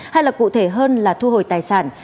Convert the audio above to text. hay là cụ thể hơn là thu hồi tài sản